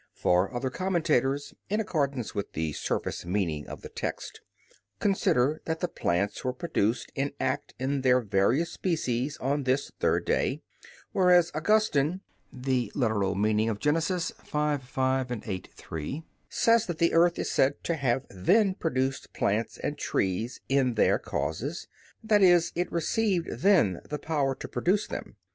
For other commentators, in accordance with the surface meaning of the text, consider that the plants were produced in act in their various species on this third day; whereas Augustine (Gen. ad lit. v, 5; viii, 3) says that the earth is said to have then produced plants and trees in their causes, that is, it received then the power to produce them.